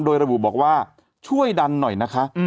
โดยระบุบอกว่าช่วยดันหน่อยนะคะ